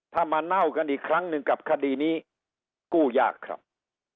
ถ้ามาเน่ากันอีกครั้งหนึ่งกับคดีนี้กู้ยากครับ